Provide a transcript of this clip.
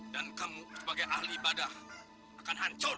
dan kamu sebagai ahli badah akan hancur